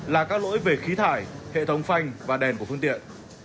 là các lỗi về khí thải hệ thống phanh và đèn của phương tiện